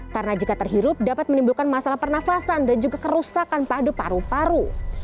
karena jika terhirup dapat menimbulkan masalah pernafasan dan juga kerusakan pada paru paru